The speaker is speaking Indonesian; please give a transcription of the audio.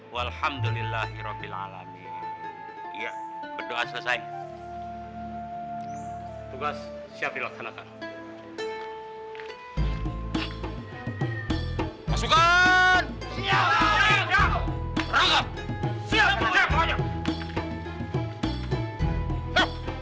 wa barokatan fil jasad